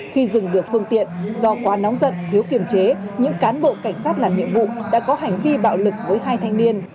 khi dừng được phương tiện do quá nóng giận thiếu kiềm chế những cán bộ cảnh sát làm nhiệm vụ đã có hành vi bạo lực với hai thanh niên